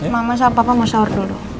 mama sama papa mau sahur dulu